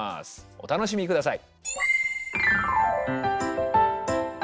お楽しみください。